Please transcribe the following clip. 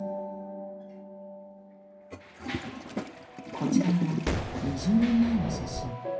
こちらは２０年前の写真。